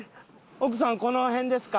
奥さんこの辺ですか？